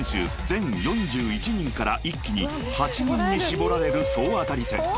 全４１人から一気に８人に絞られる総当たり戦］